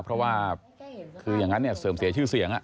เพราะว่าคือยังงั้นเสริมเสียชื่อเสียง